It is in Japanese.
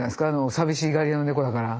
寂しがり屋の猫だから。